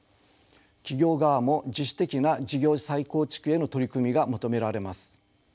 企業側も自主的な事業再構築への取り組みが求められます。